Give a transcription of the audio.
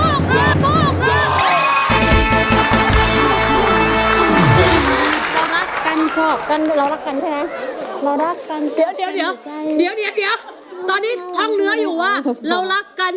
มีพี่แกงอ่อนเดียวเท่านั้นที่หลไกล